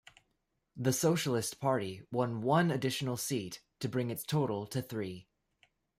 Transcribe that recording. The Socialist Party won one additional seat to bring its total to three.